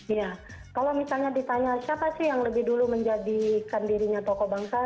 iya kalau misalnya ditanya siapa sih yang lebih dulu menjadikan dirinya tokoh bangsa